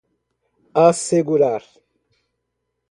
assegurar